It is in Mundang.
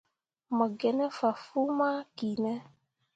Mo gi ne fah fuu ma ki ne.